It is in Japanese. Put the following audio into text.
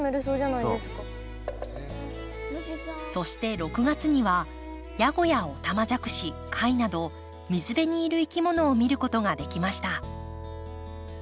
そして６月にはヤゴやオタマジャクシ貝など水辺にいるいきものを見ることができました。